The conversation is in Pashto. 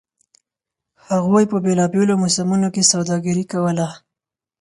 هغوی په بېلابېلو موسمونو کې سوداګري کوله.